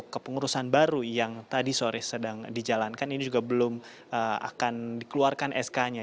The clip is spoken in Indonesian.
kepengurusan baru yang tadi sore sedang dijalankan ini juga belum akan dikeluarkan sk nya